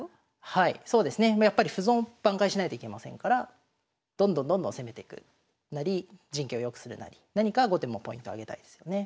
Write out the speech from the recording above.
はいそうですね。やっぱり歩損挽回しないといけませんからどんどんどんどん攻めてくなり陣形を良くするなり何か後手もポイント挙げたいですよね。